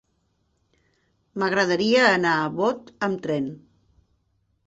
M'agradaria anar a Bot amb tren.